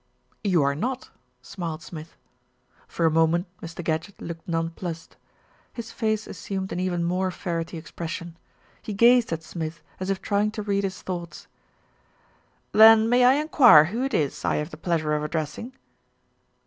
""You are not," smiled Smith. For a moment, Mr. Gadgett looked nonplussed. His face assumed an even more ferrety expression. He gazed at Smith as if trying to read his thoughts. "Then may I enquire who it is I have the pleasure of addressing?"